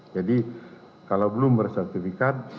jadi kalau belum bersertifikat